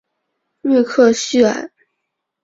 瑞克叙埃。